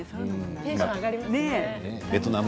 テンションが上がりますね。